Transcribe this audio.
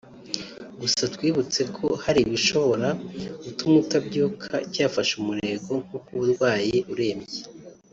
Gusa twibutseko hari ibishobora gutuma utabyuka cyafashe umurego nko kuba urwaye urembye